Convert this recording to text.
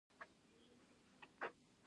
مفتی شمائل ندوي او جاوید اختر مناظره